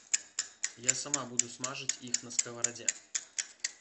Я сама буду смажыць іх на скаварадзе.